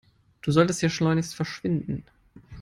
Du solltest hier schleunigst verschwinden.